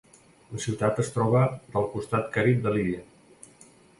La ciutat es troba del costat Carib de l'illa.